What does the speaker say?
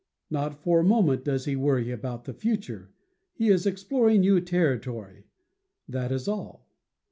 Not for a moment does he worry about the future; he is exploring new territory — that is all.